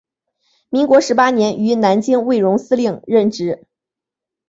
民国十八年于南京卫戍司令任职。